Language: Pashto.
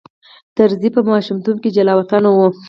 طرزی په ماشومتوب کې جلاوطن و.